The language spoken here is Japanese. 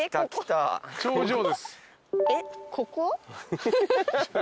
えっここ？